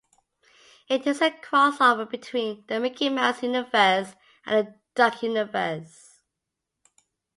It is a crossover between the "Mickey Mouse universe" and the "Duck universe".